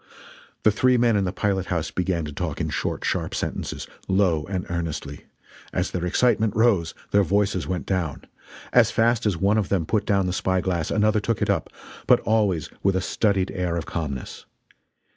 The three men in the pilot house began to talk in short, sharp sentences, low and earnestly. As their excitement rose, their voices went down. As fast as one of them put down the spy glass another took it up but always with a studied air of calmness.